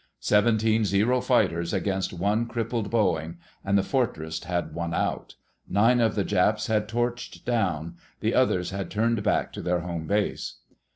Seventeen Zero fighters against one crippled Boeing—and the Fortress had won out! Nine of the Japs had torched down. The others had turned back to their home base.